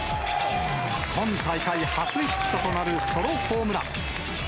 今大会初ヒットとなるソロホームラン。